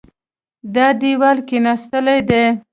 دا دېوال کېناستلی دی.